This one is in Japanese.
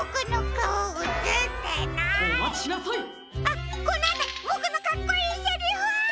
あっこのあと！ボクのかっこいいセリフ！